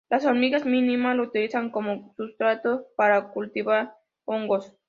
Las hormigas mínima lo utilizan como sustrato para cultivar hongos.